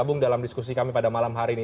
dan gabung dalam diskusi kami pada malam hari ini